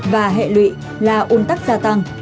và hệ lụy là ung tắc gia tăng